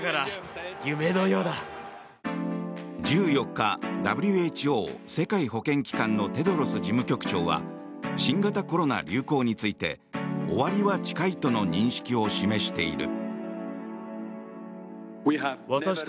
１４日ＷＨＯ・世界保健機関のテドロス事務局長は新型コロナ流行について終わりは近いとの認識を示している。